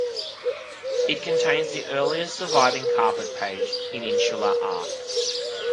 It contains the earliest surviving carpet page in Insular art.